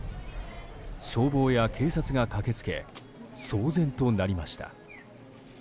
消防や警察が駆け付け騒然となりました。